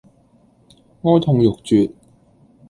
哀痛欲絕